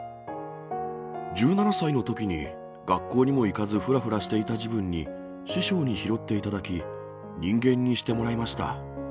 １７歳のときに、学校にも行かず、ふらふらしていた時分に、師匠に拾っていただき、人間にしてもらいました。